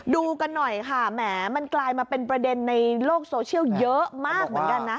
ดูกันหน่อยค่ะแหมมันกลายมาเป็นประเด็นในโลกโซเชียลเยอะมากเหมือนกันนะ